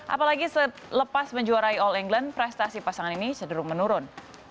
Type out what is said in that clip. apalagi selepas menjuarai all england prestasi pasangan ini cenderung menurun